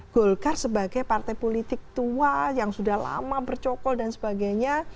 golkar sebagai partai politik tua yang sudah lama bercokol dan sebagainya